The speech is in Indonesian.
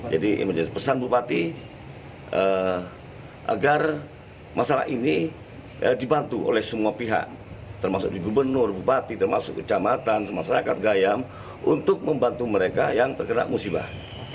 jadi pesan bupati agar masalah ini dibantu oleh semua pihak termasuk di gubernur bupati termasuk kecamatan masyarakat gayam untuk membantu mereka yang terkena musibah